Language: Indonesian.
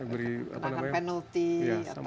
beri penalti atau apa